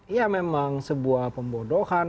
ya memang sebuah pembodohan